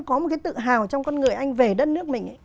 có một cái tự hào trong con người anh về đất nước mình ấy